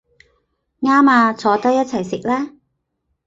啱吖，坐低一齊食啦